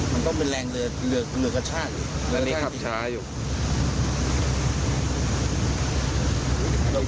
มันต้องเป็นแรงเรือกระชาก